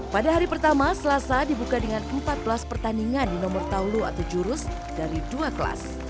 pada hari pertama selasa dibuka dengan empat belas pertandingan di nomor taulu atau jurus dari dua kelas